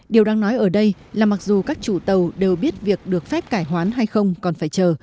điều đang nói ở đây là mặc dù các chủ tàu đều biết việc được phép cải hoán hay không còn phải chờ